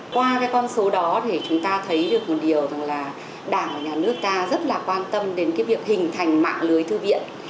qua cái con số đó thì chúng ta thấy được một điều rằng là đảng và nhà nước ta rất là quan tâm đến cái việc hình thành mạng lưới thư viện